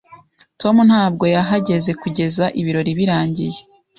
Tom ntabwo yahageze kugeza ibirori birangiye.